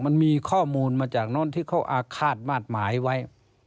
มันมีข้อมูลมาจากโน้นที่เขาอาฆาตมาตรหมายไว้